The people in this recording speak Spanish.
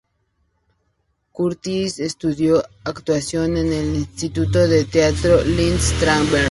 Curtis estudió actuación en el instituto de teatro Lee Strasberg.